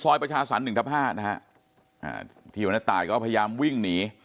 ซอยประชาสรรค์๑๕นะฮะที่วันนั้นตายก็พยายามวิ่งหนี